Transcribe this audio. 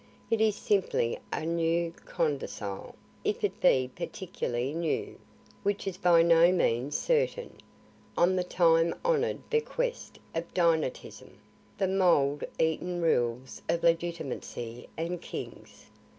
(It is simply a new codicil if it be particularly new, which is by no means certain on the time honor'd bequest of dynasticism, the mould eaten rules of legitimacy and kings.)